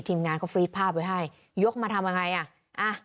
ทีมงานเขาฟรีดภาพไว้ให้ยกมาทำยังไงอ่ะ